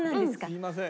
すいません。